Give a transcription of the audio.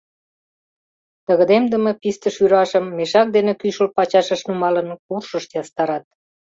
Тыгыдемдыме писте шӱрашым мешак дене кӱшыл пачашыш нумалын, куршыш ястарат.